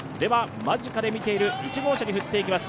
間近で見ている１号車に振っていきます。